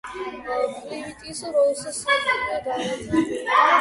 ფილტვის როლს სისხლძარღვებით დაქსელილი მანტიის კედელი ასრულებს.